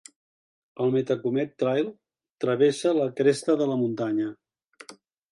El Metacomet Trail travessa la cresta de la muntanya.